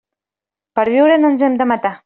Per viure no ens hem de matar.